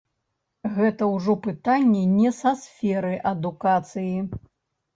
Гэта ўжо пытанне не са сферы адукацыі.